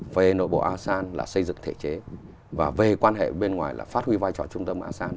về nội bộ asean là xây dựng thể chế và về quan hệ bên ngoài là phát huy vai trò trung tâm asean